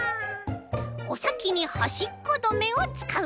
「お先にはしっこどめ！」をつかう！